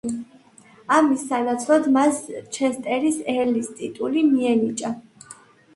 ამის სანაცვლოდ მას ჩესტერის ერლის ტიტული მიენიჭა.